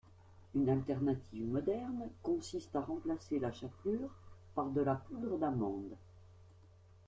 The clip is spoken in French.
Une alternative moderne consiste à remplacer la chapelure par de la poudre d'amande.